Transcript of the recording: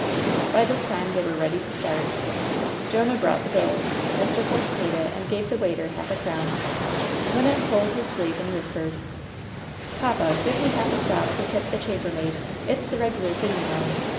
By this time they were ready to start Jonah brought the bill. Mr. Force paid it, and gave the waiter half a crown. Wynnette pulled his sleeve and whispered : "Papa, give me half a sov. to tip the chambermaid. It's the regular thing, you know.